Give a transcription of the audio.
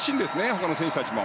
ほかの選手たちも。